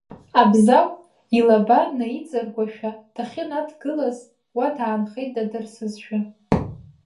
Абзагә, илаба наиҵаргәашәа дахьынаҭгылаз, уа даанхеит дадырсызшәа.